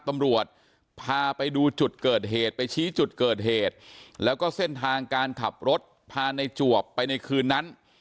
ตำรวจพาไปดูจุดเกิดเหตุไปชี้จุดเกิดเหตุแล้วก็เส้นทางการขับรถพาในจวบไปในคืนนั้น